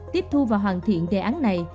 tiếp thu và hoàn thiện đề án này